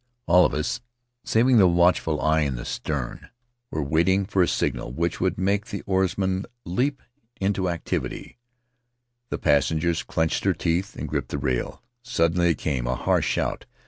All of us, saving the watchful figure in the stern, were waiting for a signal which would make the oars men leap into activity, the passengers clench their teeth and grip the rail. Suddenly it came — a harsh shout.